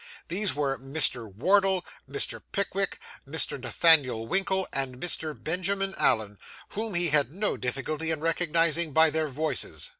These were Mr. Wardle, Mr. Pickwick, Mr. Nathaniel Winkle, and Mr. Benjamin Allen, whom he had no difficulty in recognising by their voices.